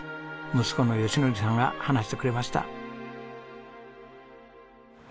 息子の由則さんが話してくれました。